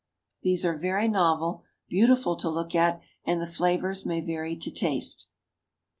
These are very novel, beautiful to look at, and the flavors may vary to taste.